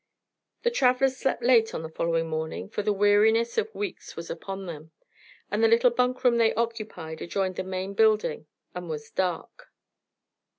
The travellers slept late on the following morning, for the weariness of weeks was upon them, and the little bunk room they occupied adjoined the main building and was dark.